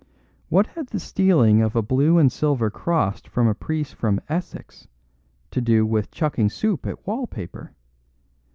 What had the stealing of a blue and silver cross from a priest from Essex to do with chucking soup at wall paper?